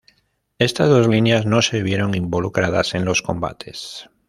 Estas dos líneas no se vieron involucradas en los combates.